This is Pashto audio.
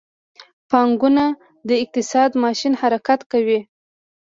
پانګونه د اقتصاد ماشین حرکت کوي.